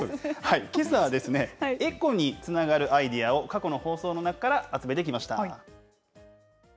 けさはエコにつながるアイデアを過去の放送の中から集めてきました。